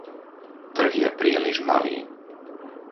Trh je príliš malý.